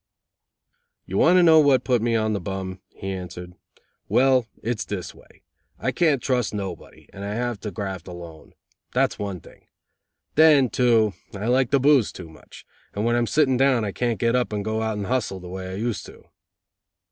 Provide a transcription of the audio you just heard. "You want to know what put me on the bum?" he answered. "Well, it's this way. I can't trust nobody, and I have to graft alone. That's one thing. Then, too, I like the booze too much, and when I'm sitting down I can't get up and go out and hustle the way I used to."